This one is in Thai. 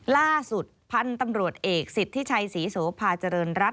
ล่าสุดพันธุ์ตำรวจเอกสิทธิชัยศรีโสภาเจริญรัฐ